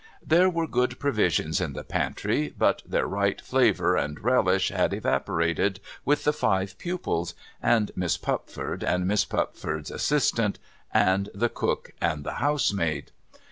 There were good pro visions in the pantry, but their right flavour and relish had evaporated wdth the five pupils, and Miss Pupford, and Miss Pup ford's assistant, and the cook and housemaid.